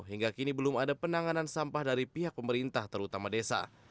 hingga kini belum ada penanganan sampah dari pihak pemerintah terutama desa